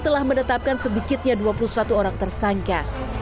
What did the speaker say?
telah menetapkan sedikitnya dua puluh satu orang tersangka